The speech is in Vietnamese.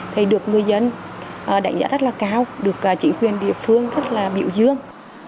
thì được người dân đánh giá rất là cao được chỉnh khuyên địa phương rất là biểu dương